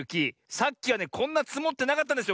さっきはねこんなつもってなかったんですよ